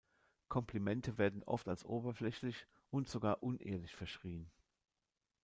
Komplimente werden oft als oberflächlich und sogar unehrlich verschrien.